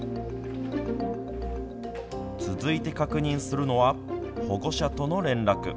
続いて確認するのは保護者との連絡。